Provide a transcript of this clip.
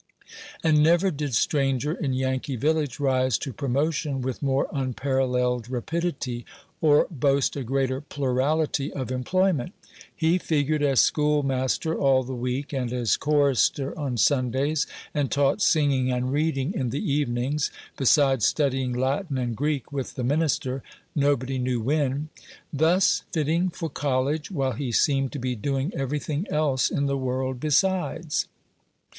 And never did stranger in Yankee village rise to promotion with more unparalleled rapidity, or boast a greater plurality of employment. He figured as schoolmaster all the week, and as chorister on Sundays, and taught singing and reading in the evenings, besides studying Latin and Greek with the minister, nobody knew when; thus fitting for college, while he seemed to be doing every thing else in the world besides.